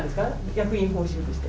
役員報酬として。